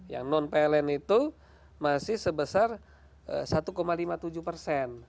yang non pln itu masih sebesar satu lima puluh tujuh persen